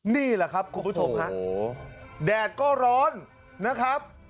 นี่แหละครับคุณผู้ชมฮะแดดก็ร้อนนะครับ